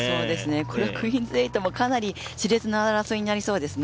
このクイーンズ８もかなりしれつな争いになりそうですね。